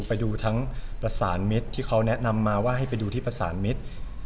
ไปดูทั้งประสานมิตรที่เขาแนะนำมาว่าให้ไปดูที่ประสานมิตร